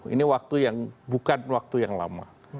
ini waktu yang bukan waktu yang lama